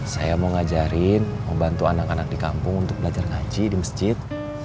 saya mau ngajarin membantu anak anak di kampung untuk belajar ngaji di masjid